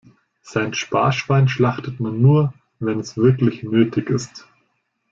Sein Sparschwein schlachtet man nur, wenn es wirklich nötig ist.